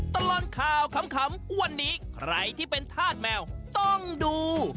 ตลอดข่าวขำวันนี้ใครที่เป็นธาตุแมวต้องดู